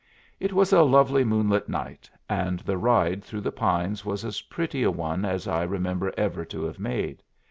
It was a lovely moonlight night, and the ride through the pines was as pretty a one as I remember ever to have made.